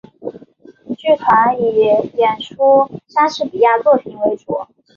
剧团以演出莎士比亚作品为主。